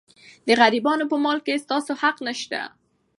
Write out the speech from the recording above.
د غریبانو په مال کې ستاسو حق نشته.